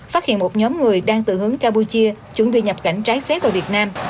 phát hiện một nhóm người đang tự hướng campuchia chuẩn bị nhập cảnh trái phép vào việt nam